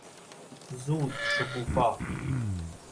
زود شکوفا